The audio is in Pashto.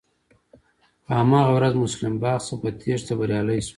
په هماغه ورځ مسلم باغ څخه په تېښته بريالی شوم.